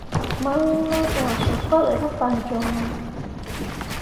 Mawin mai ʼnyah suu pabe ne fan joŋ ahe.